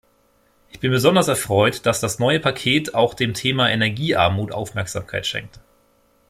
Ich bin besonders erfreut, dass das neue Paket auch dem Thema Energiearmut Aufmerksamkeit schenkt.